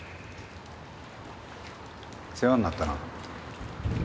世話になったな。